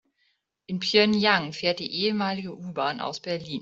In Pjöngjang fährt die ehemalige U-Bahn aus Berlin.